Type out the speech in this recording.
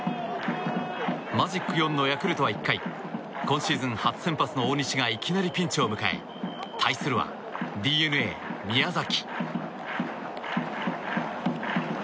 マジック４のヤクルトは１回今シーズン初先発の大西がいきなりピンチを迎え対するはＤｅＮＡ、宮崎。